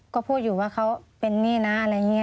ก็พูดอยู่ว่าเขาเป็นหนี้นะอะไรอย่างนี้